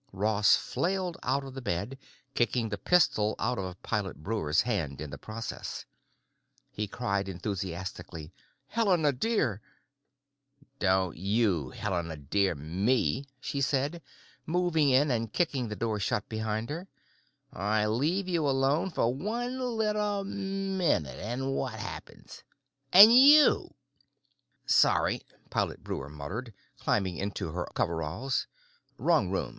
Ross flailed out of the bed, kicking the pistol out of Pilot Breuer's hand in the process. He cried enthusiastically, "Helena, dear!" "Don't you 'Helena dear' me!" she said, moving in and kicking the door shut behind her. "I leave you alone for one little minute, and what happens? And you!" "Sorry," Pilot Breuer muttered, climbing into her coveralls. "Wrong room.